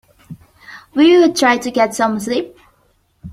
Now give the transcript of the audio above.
Will you try to get some sleep?